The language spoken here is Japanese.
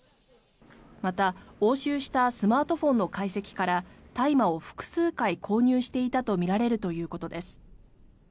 また、押収したスマートフォンの解析から大麻を複数回購入していたとみられるということです。